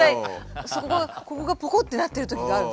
そこがここがポコってなってるときがあるの。